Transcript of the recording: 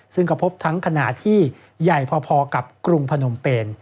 ซึ่งก็พบทั้งขณะที่ใหญ่พอกับกรุงพนมเป็น